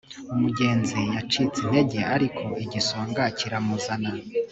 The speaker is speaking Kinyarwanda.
umugenzi yacitse intege, ariko igisonga kiramuzana